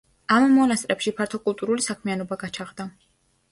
ამ მონასტრებში ფართო კულტურული საქმიანობა გაჩაღდა.